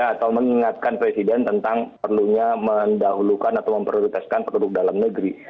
ya atau mengingatkan presiden tentang perlunya mendahulukan atau memperlutaskan produk dalam negeri